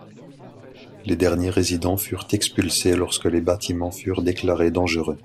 Les derniers résidents furent expulsés lorsque les bâtiments furent déclarés dangereux.